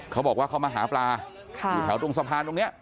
เขาบอกว่าเขามาหาปลาอยู่แถวตรงสะพานตรงนี้